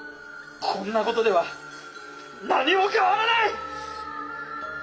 こんなことでは何も変わらない！